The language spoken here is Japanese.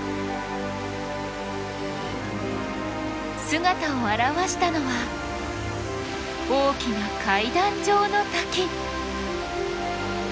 姿を現したのは大きな階段状の滝！